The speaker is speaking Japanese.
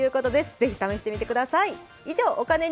ぜひ試してみてください。